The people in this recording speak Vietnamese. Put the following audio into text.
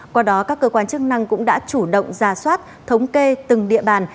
qua đó các cơ quan chức năng cũng đã chủ động ra soát thống kê từng địa bàn